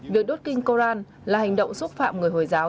việc đốt kinh koran là hành động xúc phạm người hồi giáo